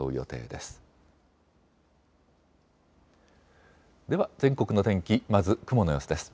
では、全国の天気まず雲の様子です。